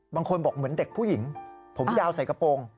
บางคนบอกเหมือนเด็กผู้หญิงผมยาวใส่กระโปรง